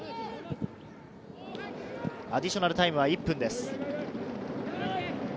アディショナルタイムは１分です。